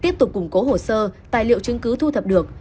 tiếp tục củng cố hồ sơ tài liệu chứng cứ thu thập được